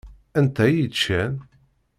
Anta i yeččan?